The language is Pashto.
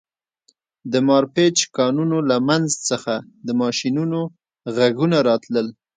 د مارپیچ کانونو له منځ څخه د ماشینونو غږونه راتلل